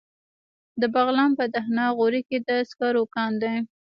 د بغلان په دهنه غوري کې د سکرو کان دی.